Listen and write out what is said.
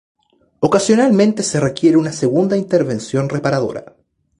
Ocasionalmente se requiere una segunda intervención reparadora.